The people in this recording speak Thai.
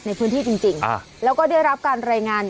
ในพื้นที่จริงแล้วก็ได้รับการรายงาน